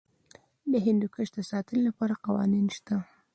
د هندوکش د ساتنې لپاره قوانین شته.